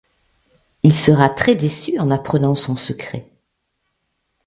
Il sera très déçu en apprenant son secret.